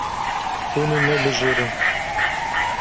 Hûn ê nebijêrin.